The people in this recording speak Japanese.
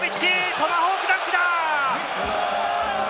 トマホークダンクだ！